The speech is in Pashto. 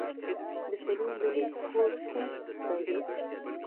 د سليم دلې کور کوم ځای دی؟